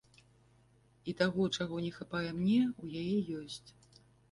І таго, чаго не хапае мне, у яе ёсць.